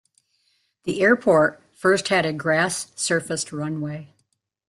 The airport first had a grass-surfaced runway.